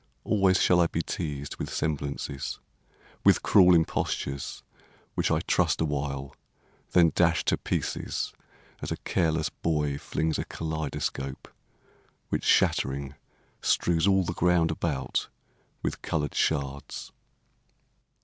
Always shall I be teased with semblances, With cruel impostures, which I trust awhile Then dash to pieces, as a careless boy Flings a kaleidoscope, which shattering Strews all the ground about with coloured sherds.